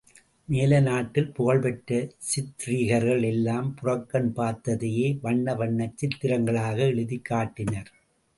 மேலை நாட்டில் புகழ்பெற்ற சித்ரீகர்கள் எல்லாம் புறக்கண் பார்த்ததையே வண்ண வண்ணச் சித்திரங்களாக எழுதிக் காட்டினர்.